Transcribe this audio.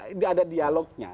ini ada dialognya